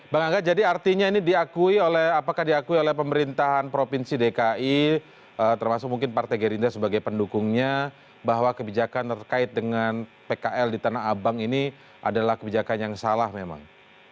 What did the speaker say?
bang angga jadi artinya ini diakui oleh apakah diakui oleh pemerintahan provinsi dki termasuk mungkin partai gerindra sebagai pendukungnya bahwa kebijakan terkait dengan pkl di tanah abang ini adalah kebijakan yang salah memang